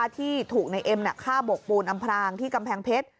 ที่ถูกในเอ็มฆ่าบกปูนอำพรางที่กำแพงเพชร